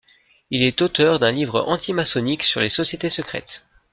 Il est auteur d'un livre antimaçonnique sur les sociétés secrètes.